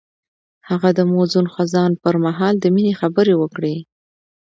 هغه د موزون خزان پر مهال د مینې خبرې وکړې.